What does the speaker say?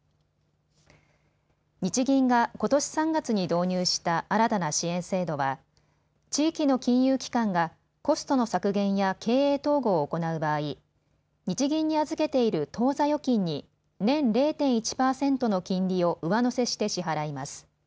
日銀がことし３月に導入した新たな支援制度は地域の金融機関がコストの削減や経営統合を行う場合、日銀に預けている当座預金に年０．１％の金利を上乗せして支払います。